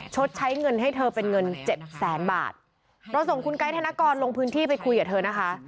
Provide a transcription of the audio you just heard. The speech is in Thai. ใช้เงินให้เธอเป็นเงินเจ็ดแสนบาทเราส่งคุณไกด์ธนกรลงพื้นที่ไปคุยกับเธอนะคะ